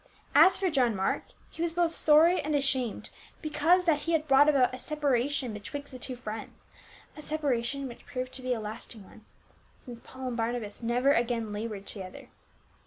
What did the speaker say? As for John Mark, he was both sorry and ashamed * Selections from I. Peter. 314 PAUL, because that he had brought about a separation betwixt the two friends, a separation which proved to be a lasting one, since Paul and Barnabas never again labored together.